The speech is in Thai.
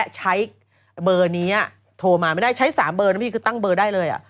ใช้เบอร์นี้โทรมาไม่ได้ใช้๓เบอร์นะพี่คือตั้งเบอร์ได้เลย